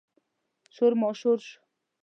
شور ماشور شو.